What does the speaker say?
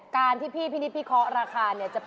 การที่พี่เพี๊ยงนี้พี่เคาะราคาจะเป็นประโยชน์ต่อพี่